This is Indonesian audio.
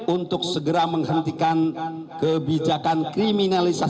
untuk segera menghentikan kebijakan kriminalisasi